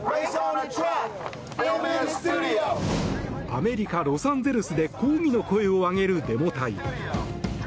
アメリカ・ロサンゼルスで抗議の声を上げるデモ隊。